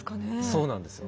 そうなんですよ。